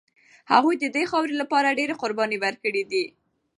هغوی د دې خاورې لپاره ډېرې قربانۍ ورکړي دي.